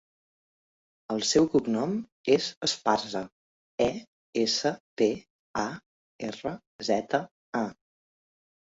El seu cognom és Esparza: e, essa, pe, a, erra, zeta, a.